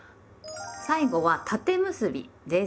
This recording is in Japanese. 最後は「縦結び」です。